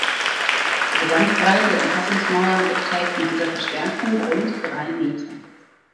Die Gesamtbreite der Umfassungsmauer beträgt mit dieser Verstärkung rund drei Meter.